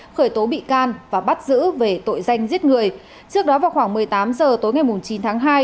khởi tố bị can và bắt giữ về tội danh giết người trước đó vào khoảng một mươi tám h tối ngày chín tháng hai